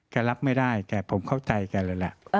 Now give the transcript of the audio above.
รับไม่ได้แต่ผมเข้าใจแกเลยล่ะ